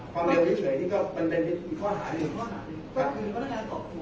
ก็คือในเรื่องประมาณขวานคิดขึ้น